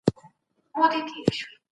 ما پرون د سبا لپاره د لغتونو زده کړه وکړه.